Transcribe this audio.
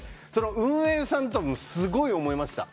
運営さんすごい思いました。